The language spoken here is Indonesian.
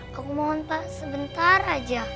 aku mohon tak sebentar aja